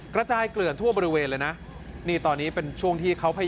กระจายเกลื่อนทั่วบริเวณเลยนะ